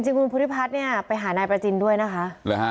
จริงบุญพุทธิพัฒน์เนี่ยไปหานายประจินด้วยนะคะ